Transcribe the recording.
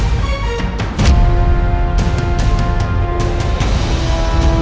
masuk saya because leave me at home